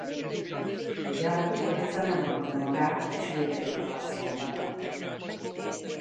De a kukorica nem hagyja magát és végez az asszonnyal.